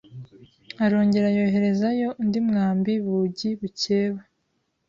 arongera yohereza yo undi mwambi bugi bukeba